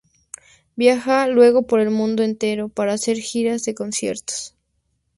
Viaja luego por el mundo entero para hacer giras de conciertos.